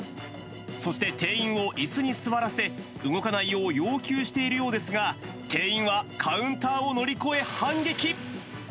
そして店員をいすに座らせ、動かないよう要求しているようですが、店員はカウンターを乗り越え、反撃。